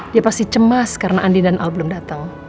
dia pasti cemas karena andi dan al belum datang